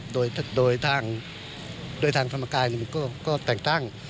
โดยทางธรรมกายมันก็แต่งตั้ง